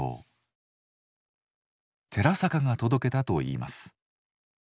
寺坂が届けたといいます。